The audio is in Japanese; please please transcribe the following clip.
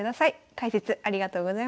解説ありがとうございました。